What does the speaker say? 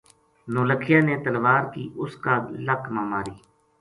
نو لکھیا نے تلوار کی اس کا لک ما ماری